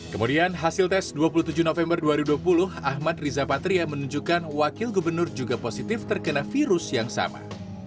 kemudian hasil tes dua puluh tujuh november dua ribu dua puluh ahmad riza patria menunjukkan wakil gubernur juga positif terkena virus yang sama